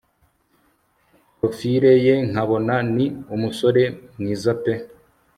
profile ye nkabona ni umusore mwiza pe